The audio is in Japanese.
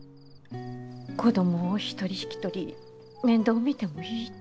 子供を１人引き取り面倒を見てもいいって。